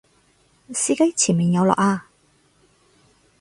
司機前面有落啊！